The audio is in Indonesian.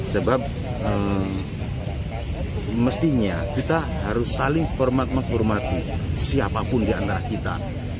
sebab mestinya kita harus saling hormat menghormati siapapun di antara kita